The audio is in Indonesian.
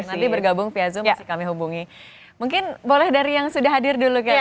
nanti bergabung fiazum mungkin boleh dari yang sudah hadir dulu